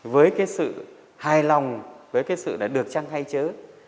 với cái sự hài lòng với cái sự đã được trang thay chớ